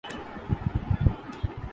چوہدری شجاعت اس وقت وزیر داخلہ تھے۔